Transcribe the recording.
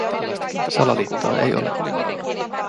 Salaliittoa ei ole.